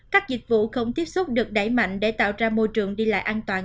các dịch vụ không tiếp xúc được đẩy mạnh để tạo ra môi trường đi lại an toàn